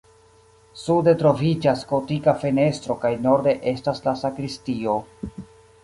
Sude troviĝas gotika fenestro kaj norde estas la sakristio.